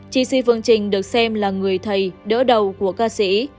chi si phương trinh được xem là người thầy đỡ đầu của ca sĩ